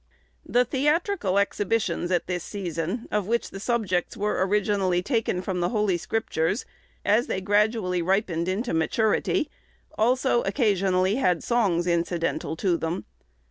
The theatrical exhibitions at this season, of which the subjects were originally taken from the Holy Scriptures, as they gradually ripened into maturity, also occasionally had songs incidental to them.